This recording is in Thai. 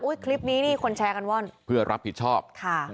คลิปนี้นี่คนแชร์กันว่อนเพื่อรับผิดชอบค่ะ